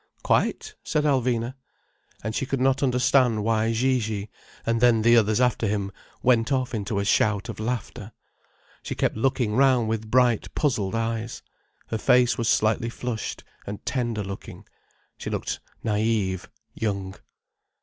"Quite," said Alvina. And she could not understand why Gigi, and then the others after him, went off into a shout of laughter. She kept looking round with bright, puzzled eyes. Her face was slightly flushed and tender looking, she looked naïve, young.